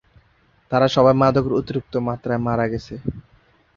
তারা সবাই মাদকের অতিরিক্ত মাত্রায় মারা গেছে।